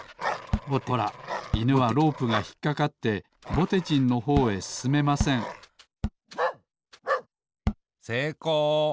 ほらいぬはロープがひっかかってぼてじんのほうへすすめませんせいこう。